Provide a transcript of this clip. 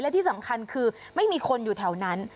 และที่สำคัญคือไม่มีคนอยู่แถวนั้น